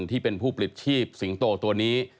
ที่เป็นผู้ปลิดชีพสิงโตตัวนี้